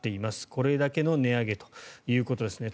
これだけの値上げということですね。